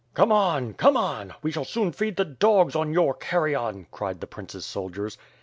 "Come onl Come on! We shall soon feed the dogs on your carrion/' cried the prince's soldiers.